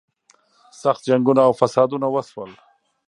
سخت جنګونه او فسادونه وشول.